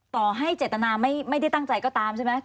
ต่อให้เจตนาไม่ได้ตั้งใจก็ตามใช่ไหม